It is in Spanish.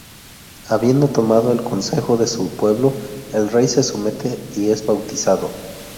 Habiendo tomado el consejo de su pueblo, el rey se somete y es bautizado.